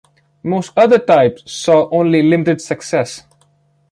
Most other types saw only limited success.